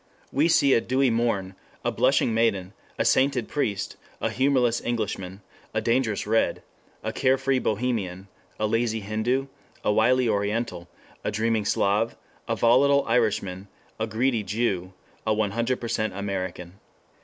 We see a dewy morn, a blushing maiden, a sainted priest, a humorless Englishman, a dangerous Red, a carefree bohemian, a lazy Hindu, a wily Oriental, a dreaming Slav, a volatile Irishman, a greedy Jew, a 100% American.